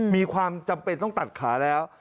มีความจำเป็นต้องตัดขาแล้ว